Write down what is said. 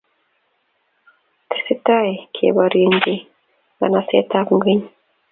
Tesetai keborienjin ng'ashaketab ngweny'